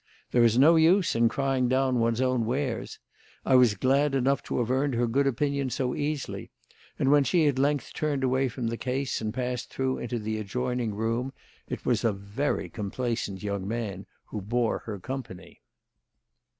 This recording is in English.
There is no use in crying down one's own wares. I was glad enough to have earned her good opinion so easily, and when she at length turned away from the case and passed through into the adjoining room, it was a very complacent young man who bore her company.